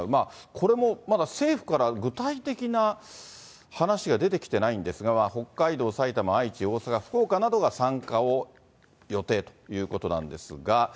これもまだ政府から具体的な話が出てきてないんですが、北海道、埼玉、愛知、大阪、福岡などが参加を予定ということなんですが。